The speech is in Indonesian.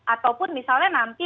ataupun misalnya nanti